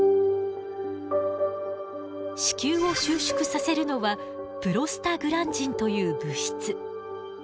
子宮を収縮させるのはプロスタグランジンという物質。